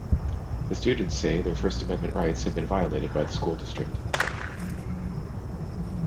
The students say their First Amendment rights had been violated by the school district.